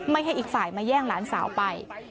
ให้อีกฝ่ายมาแย่งหลานสาวไป